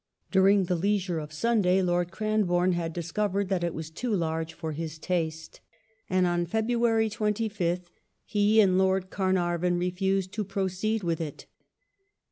During the leisure of Sunday Lord Cranborne had discovered that it was too lai'ge for his taste, and on February 25th he and Lord Carnarvon refused to proceed with it.